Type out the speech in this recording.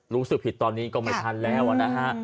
รู้สึกผิดตอนนี้ก็ไม่ทันแล้วนะฮะ